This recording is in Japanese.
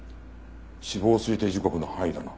死亡推定時刻の範囲だな。